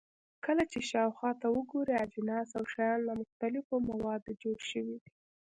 کله چې شاوخوا ته وګورئ، اجناس او شیان له مختلفو موادو جوړ شوي دي.